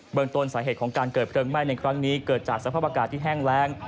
เบลืองต้นสาเหตุของการเกิดเผลืองแม่ในครั้งนี้เกิดจากสภาพประกาศที่แห้งแรง